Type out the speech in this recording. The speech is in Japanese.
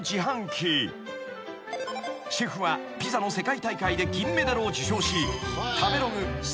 ［シェフはピザの世界大会で銀メダルを受賞し］